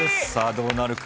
どうなるか。